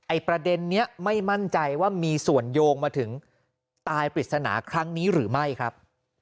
ประเด็นนี้ไม่มั่นใจว่ามีส่วนโยงมาถึงตายปริศนาครั้งนี้หรือไม่ครับ